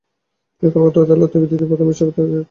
তিনি কলকাতা উচ্চ আদালতের দ্বিতীয় প্রধান বিচারপতি নিযুক্ত হন।